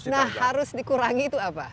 nah harus dikurangi itu apa